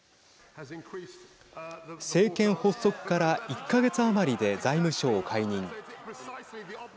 政権発足から１か月余りで財務相を解任。